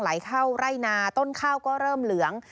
ไหลเข้าไร่นาต้นข้าวก็เริ่มเหลือง